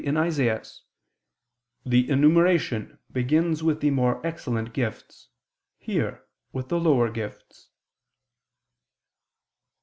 in Isaias) "the enumeration begins with the more excellent gifts, here, with the lower gifts."